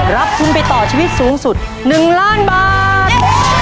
รับทุนไปต่อชีวิตสูงสุด๑ล้านบาท